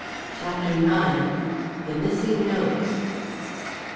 CHAPTER IX. THE MISSING NOTES.